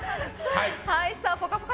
「ぽかぽか」